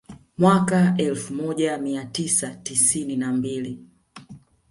Mwaka elfu moja mia tisa tisini na mbili